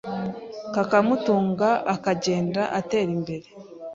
kakamutunga akagenda atera imbere,